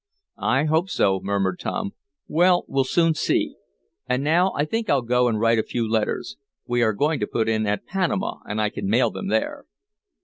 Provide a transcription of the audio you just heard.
"I hope so," murmured Tom. "Well, we'll soon see. And now I think I'll go and write a few letters. We are going to put in at Panama, and I can mail them there."